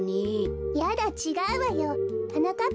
やだちがうわよ。はなかっ